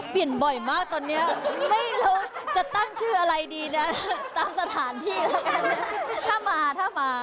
เปลี่ยนบ่อยมากตอนนี้ไม่รู้จะตั้งชื่ออะไรดีเนี่ยตามสถานที่แล้วกันเนี่ยถ้ามา